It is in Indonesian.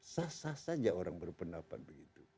sah sah saja orang berpendapat begitu